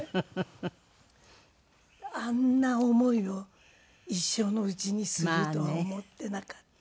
あんな思いを一生のうちにするとは思ってなかった。